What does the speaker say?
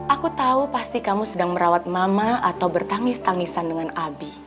aku tahu pasti kamu sedang merawat mama atau bertangis tangisan dengan abi